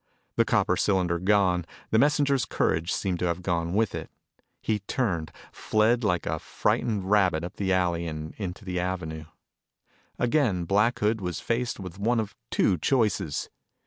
The copper cylinder gone, the messenger's courage seemed to have gone with it. He turned, fled like a frightened rabbit up the alley and into the avenue. Again Black Hood was faced with one of two choices.